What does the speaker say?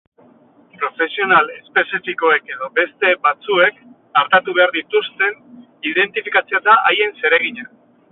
Profesional espezifikoek edo beste bazuek artatu behar dituzten identifikatzea da haien zeregina.